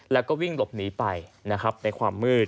แล้วก็วิ่งหลบหนีไปนะครับในความมืด